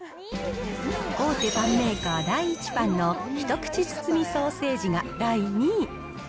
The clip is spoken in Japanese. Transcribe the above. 大手パンメーカー、第一パンのひとくちつつみソーセージが第２位。